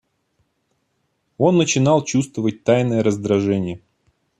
Он начинал чувствовать тайное раздражение.